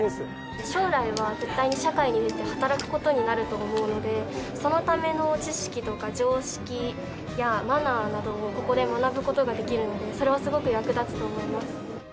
将来は絶対に社会に出て働く事になると思うのでそのための知識とか常識やマナーなどをここで学ぶ事ができるのでそれはすごく役立つと思います。